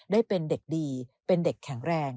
ได้เป็นเด็กดีเป็นเด็กแข็งแรง